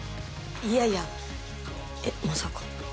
いやいやえっまさか。